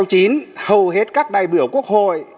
hầu hết các đại biểu quốc hội